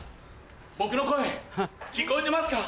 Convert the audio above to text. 僕の声聞こえてますか？